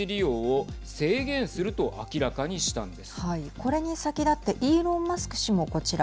これに先立ってイーロン・マスク氏もこちら